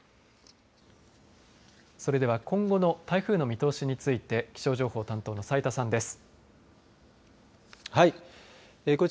それでは今後の台風の見通しについて気象情報担当の斉田さんです。